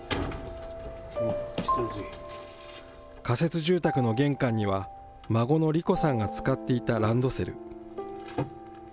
仮設住宅の玄関には、孫の理子さんが使っていたランドセル。